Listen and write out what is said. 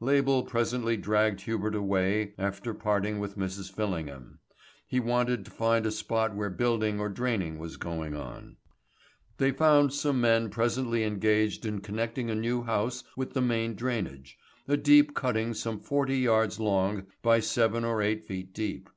Label presently dragged Hubert away after parting with Mrs. Fillingham. He wanted to find a spot where building or draining was going on. They found some men presently engaged in connecting a new house with the main drainage a deep cutting some forty yards long by seven or eight feet deep.